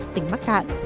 tỉnh bắc cạn